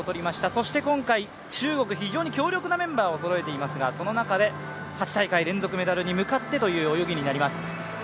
そして今回中国非常に強力なメンバーをそろえていますがその中で８大会連続メダルに向かってという泳ぎになります。